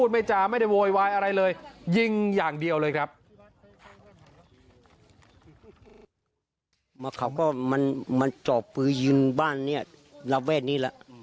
มันจอบปืนยิงบ้านนี้ละแวดนี้ละ